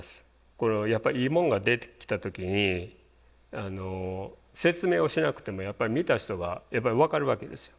これはやっぱりいいもんができた時に説明をしなくても見た人が分かるわけですよ。